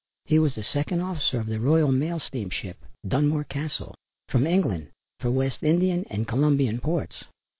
He was the second officer of the Royal Mail steamship Dunmore Castle, from England for West Indian and Colombian ports.